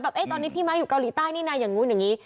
ตอนนี้พี่ม้าอยู่เกาหลีใต้นี่นะอย่างนู้นอย่างนี้